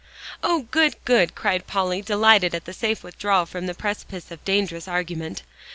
"Oh, good! good!" cried Polly, delighted at the safe withdrawal from the precipice of dangerous argument.